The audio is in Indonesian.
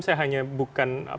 saya hanya bukan penumpang